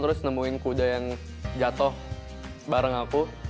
terus nemuin kuda yang jatuh bareng aku